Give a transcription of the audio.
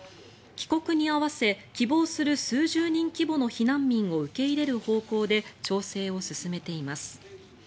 帰国に合わせ希望する数十人規模の避難民を受け入れる方向で調整を進めています。